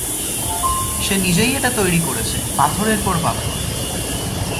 সে নিজেই এটা তৈরি করেছে, পাথরের পর পাথর।